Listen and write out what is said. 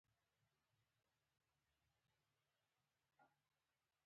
د غوښې مناسب خوراک د بدن اړتیاوې پوره کوي.